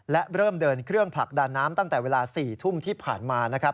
และเริ่มเดินเครื่องผลักดันน้ำตั้งแต่เวลา๔ทุ่มที่ผ่านมานะครับ